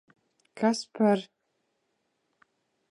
Kas par...